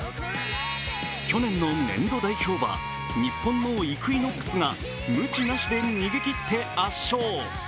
去年の年度代表馬、日本のイクイノックスがむちなしで逃げ切って圧勝。